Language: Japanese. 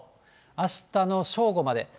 あしたの正午まで。